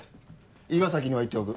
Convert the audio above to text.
伊賀崎には言っておく。